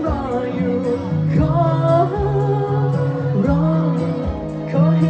อีฟังมั้ย